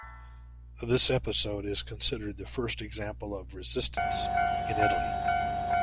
This episode is considered the first example of Resistance in Italy.